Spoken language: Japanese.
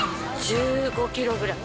１５キロぐらい。